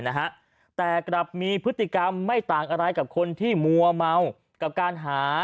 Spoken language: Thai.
นะฮะแต่กลับมีพฤติกรรมไม่ต่างอะไรกับคนที่มัวเมากับการหา